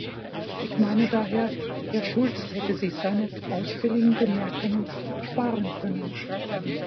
Ich meine daher, Herr Schulz hätte sich seine ausfälligen Bemerkungen sparen können.